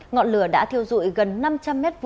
ngọn lửa đã thiêu dụi gần năm trăm linh m hai